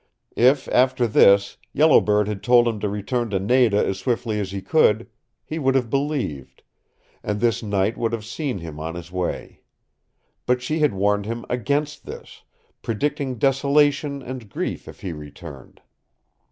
If, after this, Yellow Bird had told him to return to Nada as swiftly as he could, he would have believed, and this night would have seen him on his way. But she had warned him against this, predicting desolation and grief if he returned.